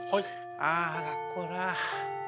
あ学校か。